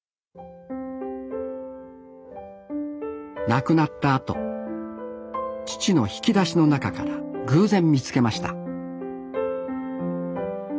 亡くなったあと父の引き出しの中から偶然見つけました